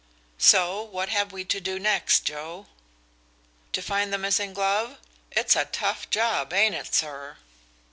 So what have we to do next, Joe?" "To find the missing glove? It's a tough job, ain't it, sir?"